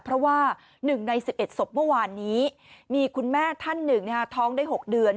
เพราะว่าหนึ่งในสิบเอ็ดศพเมื่อวานนี้มีคุณแม่ท่านหนึ่งน่ะท้องได้หกเดือน